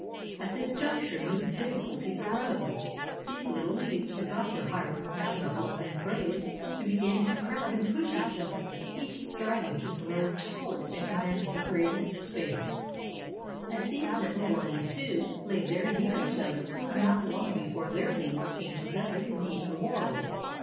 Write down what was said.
At this juncture new difficulties arose. These little leaves forgot their higher mission of love and praise and began to crowd and push each other, each striving to grow tallest and command the greatest space. As seeds number One and Two lay very near each other it was not long before their leaves came together in the air world.